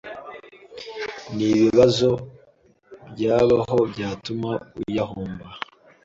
n’ibibazo byabaho byatuma uyahomba.